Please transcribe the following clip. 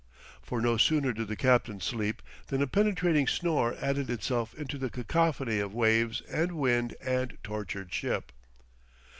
For no sooner did the captain sleep than a penetrating snore added itself unto the cacophony of waves and wind and tortured ship.